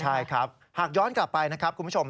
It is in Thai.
ใช่ครับหากย้อนกลับไปนะครับคุณผู้ชม